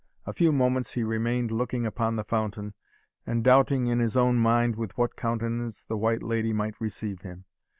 A few moments he remained looking upon the fountain, and doubting in his own mind with what countenance the White Lady might receive him.